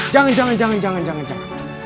jangan jangan jangan